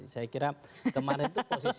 saya kira kemarin itu posisi